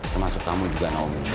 termasuk kamu juga naomi